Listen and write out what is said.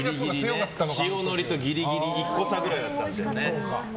塩のりとギリギリ１個差くらいだったんだよね。